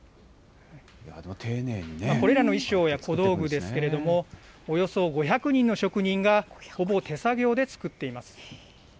これらの衣装や小道具ですけれども、およそ５００人の職人が、ほぼ手作業で作っています。